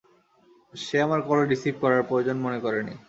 সে আমার call receive করার প্রয়োজন মনে করেনি।